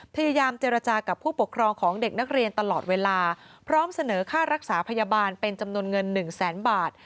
พยายามเจรจากับผู้ปกครองของเด็กนักเรียนตลอดเวลาพร้อมเสนอค่ารักษาพยาบาลเป็นจำนวนเงินหนึ่งแสนบาท